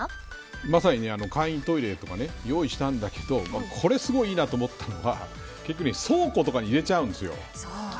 まさに簡易トイレとか用意したんだけどこれ、すごいいいなと思ったのが結局倉庫とかに入れちゃうんですよ。